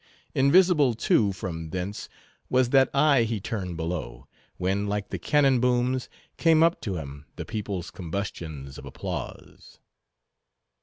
Invisible, too, from thence was that eye he turned below, when, like the cannon booms, came up to him the people's combustions of applause.